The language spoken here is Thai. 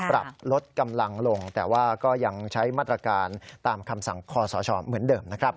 ปรับลดกำลังลงแต่ว่าก็ยังใช้มาตรการตามคำสั่งคอสชเหมือนเดิมนะครับ